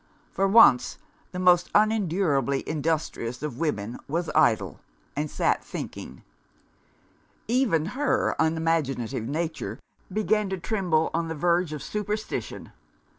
For once, the most unendurably industrious of women was idle, and sat thinking. Even her unimaginative nature began to tremble on the verge of superstition.